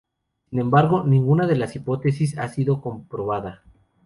Sin embargo, ninguna de las hipótesis ha sido comprobada.